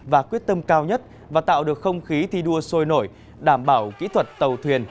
và quyết tâm cao nhất và tạo được không khí thi đua sôi nổi đảm bảo kỹ thuật tàu thuyền